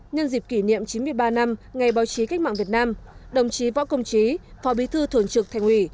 nhân dịp kỷ niệm chín mươi ba năm ngày báo chí cách mạng việt nam đồng chí võ công trí phó bí thư thường trực thành ủy